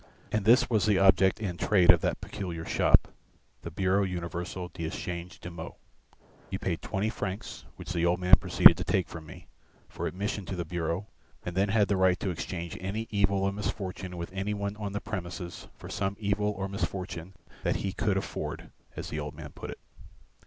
And this was the object and trade of that peculiar shop, the Bureau Universel d'Echange de Maux: you paid twenty francs, which the old man proceeded to take from me, for admission to the bureau and then had the right to exchange any evil or misfortune with anyone on the premises for some evil or misfortune that he "could afford," as the old man put it.